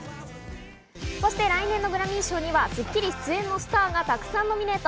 そして来年のグラミー賞には、『スッキリ』出演のスターがたくさんノミネート。